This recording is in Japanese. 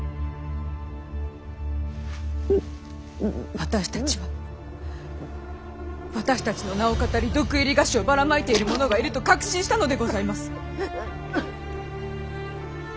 私たちは私たちの名をかたり毒入り菓子をばらまいている者がいると確信したのでございます。